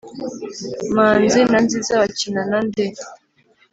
manzi na nziza bakina na nde?